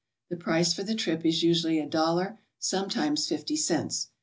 The price for the trip is usually a dollar, sometimes fifty cents.